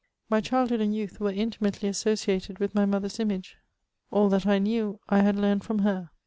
My childhood and youth were intimately associated with my mother s image ; all that I knew I had learned from her.